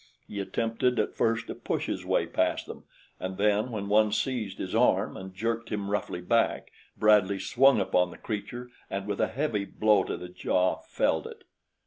He attempted at first to push his way past them, and then when one seized his arm and jerked him roughly back, Bradley swung upon the creature and with a heavy blow to the jaw felled it.